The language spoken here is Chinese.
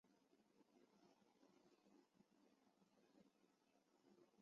是由远月内评价最高的十名学生所组成的委员会。